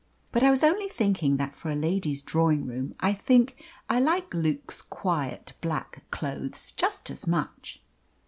"But I was only thinking that for a lady's drawing room I think I like Luke's quiet black clothes just as much."